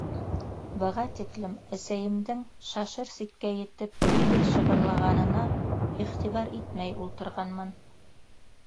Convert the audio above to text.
Быға тиклем әсәйемдең шашыр сиккә етеп ниҙер шыбырлағанына иғтибар итмәй ултырғанмын.